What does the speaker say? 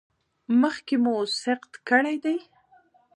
مخکې مو سقط کړی دی؟